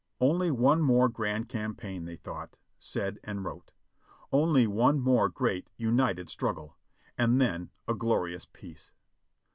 Only one more grand campaign, they thought, said, and wrote ; only one more great, united struggle — and then a glorious peace.